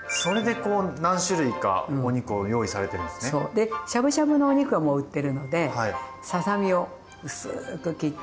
でしゃぶしゃぶのお肉はもう売ってるのでささ身を薄く切って。